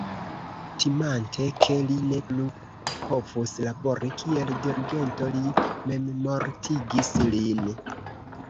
Timante ke li ne plu povus labori kiel dirigento li memmortigis lin.